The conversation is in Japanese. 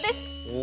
お。